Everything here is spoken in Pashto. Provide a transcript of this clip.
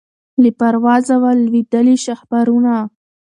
له پروازه وه لوېدلي شهپرونه